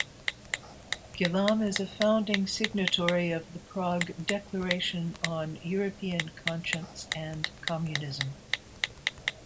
Kelam is a founding signatory of the Prague Declaration on European Conscience and Communism.